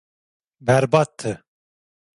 Berbattı.